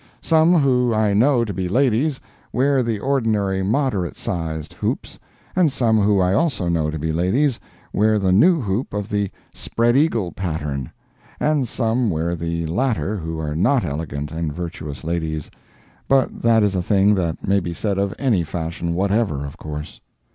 Some who I know to be ladies, wear the ordinary moderate sized hoops, and some who I also know to be ladies, wear the new hoop of the "spread eagle" pattern—and some wear the latter who are not elegant and virtuous ladies—but that is a thing that may be said of any fashion whatever, of course.